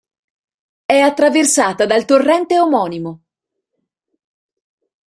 È attraversata dal torrente omonimo.